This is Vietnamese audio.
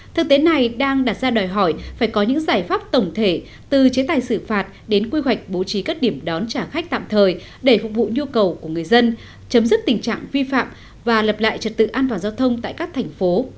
thực tế này đang đặt ra đòi hỏi phải có những giải pháp tổng thể từ chế tài xử phạt đến quy hoạch bố trí các điểm đón trả khách tạm thời để phục vụ nhu cầu của người dân chấm dứt tình trạng vi phạm và lập lại trật tự an toàn giao thông tại các thành phố